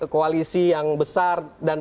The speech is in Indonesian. koalisi yang besar dan